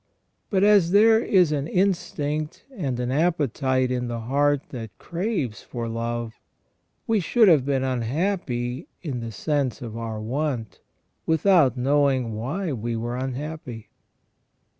But as there is an instinct and an appetite in the heart that craves for love, we should have been unhappy in the sense of our want, without knowing why we were unhappy.